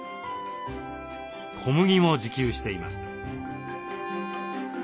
小麦も自給しています。